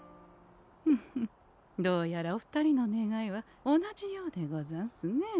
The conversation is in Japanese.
フフどうやらお二人の願いは同じようでござんすね。